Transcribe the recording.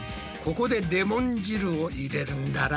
ここでレモン汁を入れるんだな。